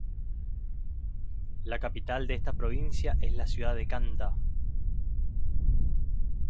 La capital de esta provincia es la ciudad de Canta.